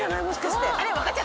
もしかして。